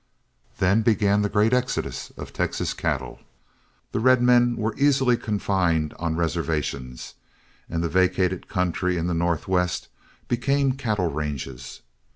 Then began the great exodus of Texas cattle. The red men were easily confined on reservations, and the vacated country in the Northwest became cattle ranges.